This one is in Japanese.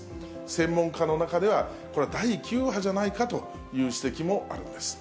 専門家の中では、これ、第９波じゃないかという指摘もあるんです。